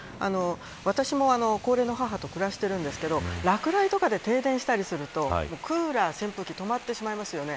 私も高齢の母と暮らしているんですが落雷とかで停電したりするとクーラー、扇風機止まってしまいますよね。